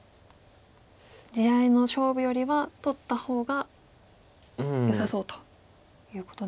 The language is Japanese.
地合いの勝負よりは取った方がよさそうということですね。